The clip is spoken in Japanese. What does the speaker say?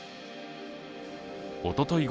おととい